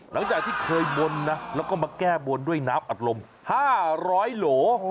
หลังจากที่เคยบนนะแล้วก็มาแก้บนด้วยน้ำอัดลม๕๐๐โหล